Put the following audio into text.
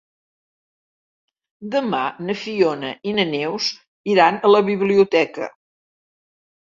Demà na Fiona i na Neus iran a la biblioteca.